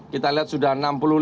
kita lihat sudah enam puluh lima